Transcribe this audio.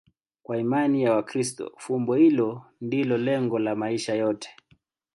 Kwa imani ya Wakristo, fumbo hilo ndilo lengo la maisha yote.